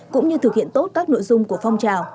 cũng như thực hiện tốt các nội dung của phong trào